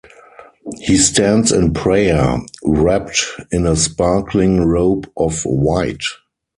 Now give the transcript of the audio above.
He stands in prayer, wrapped in a sparkling robe of white.